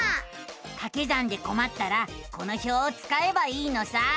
かけ算でこまったらこの表をつかえばいいのさ。